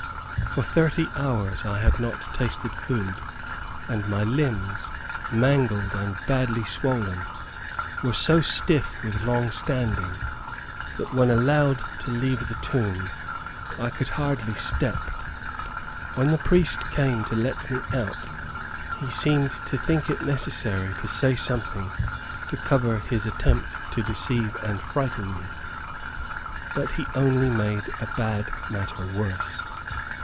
For thirty hours I had not tasted food, and my limbs, mangled and badly swollen, were so stiff with long standing, that, when allowed to leave the tomb, I could hardly step. When the priest came to let me out, he seemed to think it necessary to say something to cover his attempt to deceive and frighten me, but he only made a bad matter worse.